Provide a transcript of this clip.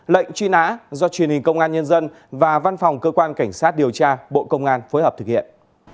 lệnh truy nã do truyền hình công an nhân dân và văn phòng cơ quan cảnh sát điều tra bộ công an phối hợp thực hiện